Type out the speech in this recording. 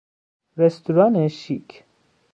رستوران شیک